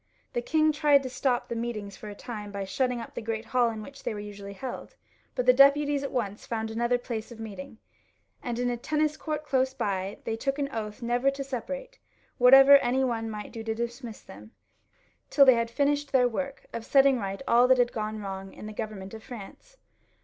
The king tried to stop the meetings for a time by shutting up the great hall in which they were usually held ; but the deputies at once found another place of meeting, and in a tennis court close by they took an oath never to separate, whatever any one might do to dismiss them, tiU they had finished their work of setting right all that had gone wrong in the government 382 LOUIS XVL [ch. of France.